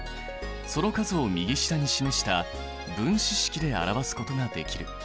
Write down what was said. その数を右下に示した分子式で表すことができる。